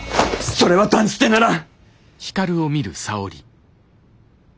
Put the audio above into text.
それは断じてならん！